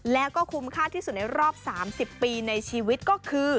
แล้วก็คุ้มค่าที่สุดในรอบ๓๐ปีในชีวิตก็คือ